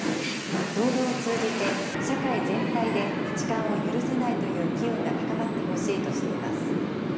動画を通じて、社会全体で痴漢を許さないという機運が高まってほしいとしています。